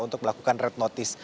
untuk melakukan red notice